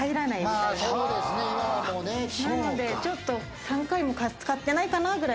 なので、ちょっと３回も使ってないかな。